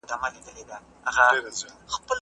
د هغه نظريې د پخواني تمدنونو د سقوط مراحل تشريح کوي.